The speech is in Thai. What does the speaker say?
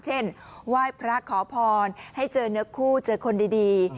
เช่นไหว้พระขอพรให้เจอเนื้อคู่เจอคนดี